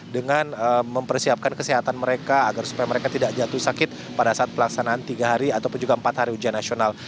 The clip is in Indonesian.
dengan mempersiapkan kesehatan mereka agar supaya mereka tidak jatuh sakit pada saat pelaksanaan tiga hari ataupun juga empat hari ujian nasional